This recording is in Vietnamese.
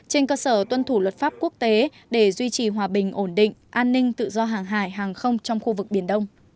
trên cơ sở tuân thủ luật pháp quốc tế để duy trì hòa bình ổn định an ninh tự do hàng hải hàng không trong khu vực biển đông